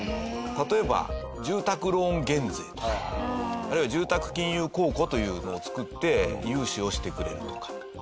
例えば住宅ローン減税とかあるいは住宅金融公庫というのを作って融資をしてくれるとか。